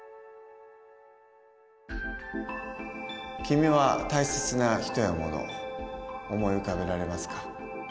君は大切な人やもの思い浮かべられますか？